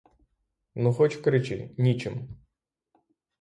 Ну хоч кричи — нічим.